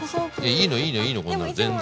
いいのいいのいいのこんなの全然。